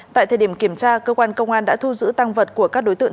tại thời điểm kiểm tra cơ quan công an đã thu giữ tăng vật của các đối tượng